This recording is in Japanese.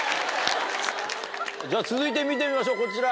じゃ続いて見てみましょうこちら。